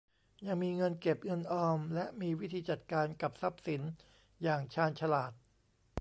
ยังมีเงินเก็บเงินออมและมีวิธีจัดการกับทรัพย์สินอย่างชาญฉลาด